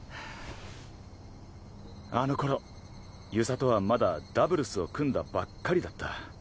あの頃遊佐とはまだダブルスを組んだばっかりだった。